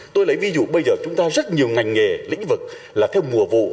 tôi lấy ví dụ bây giờ chúng ta rất nhiều ngành nghề lĩnh vực là theo mùa vụ